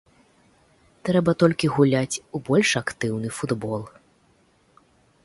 Трэба толькі гуляць у больш актыўны футбол.